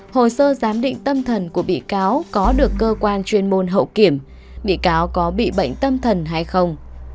hồ sơ giám định tâm thần của bị cáo có được cơ quan chuyên môn hậu kiểm bị cáo có bị bệnh tâm thần hay không